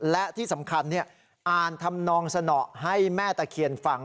และที่สำคัญอ่านทำนองสนอให้แม่ตะเคียนฟัง